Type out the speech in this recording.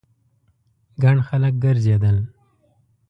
ګڼ خلک ګرځېدل.